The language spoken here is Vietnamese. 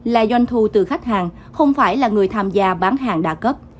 là doanh thu từ khách hàng không phải là người tham gia bán hàng đa cấp